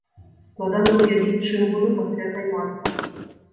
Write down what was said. Складана ўявіць, чым буду пасля займацца.